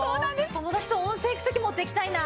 友達と温泉行く時持って行きたいな！